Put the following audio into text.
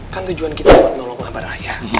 kan tujuan kita buat nolong abah raya